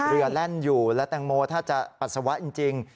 เรือแร่นอยู่แล้วต่างโมถ้าจะปัดชาวะจริง